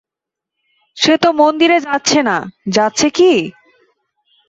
সে তো মন্দিরে যাচ্ছে না, যাচ্ছে কি?